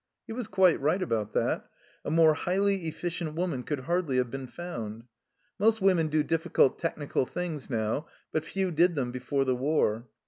He was quite right about that. A more highly efficient woman could hardly have been found. Most women do difficult technical things now, but few did them before the war.